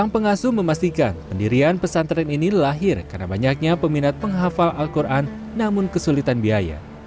pengasuh memastikan pendirian pesantren ini lahir karena banyaknya peminat penghafal al quran namun kesulitan biaya